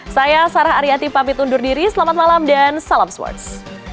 saya sarah ariyati pamit undur diri selamat malam dan salam sports